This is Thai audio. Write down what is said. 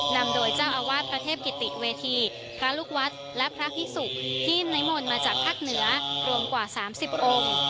นำโดยเจ้าอาวาสพระเทพกิติเวทีพระลูกวัดและพระพิสุกที่นิมนต์มาจากภาคเหนือรวมกว่า๓๐องค์